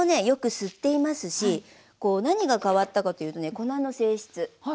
よく吸っていますし何が変わったかというとね粉の性質。